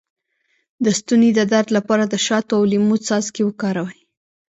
د ستوني د درد لپاره د شاتو او لیمو څاڅکي وکاروئ